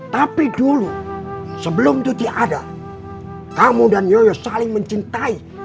tapi dulu sebelum cuti ada kamu dan yoyo saling mencintai